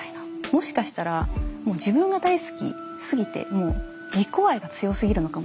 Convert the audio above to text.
もしかしたらもう自分が大好きすぎてもう自己愛が強すぎるのかもしれない。